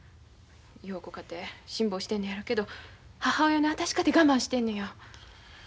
陽子かて辛抱してるのやろけど母親の私かて我慢してるのや。